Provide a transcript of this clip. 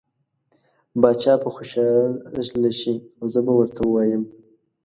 باچا به خوشحاله شي او زه به ورته ووایم.